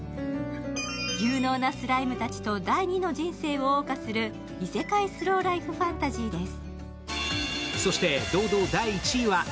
有能なスライムたちと第二の人生をおう歌する異世界スローライフファンタジーです。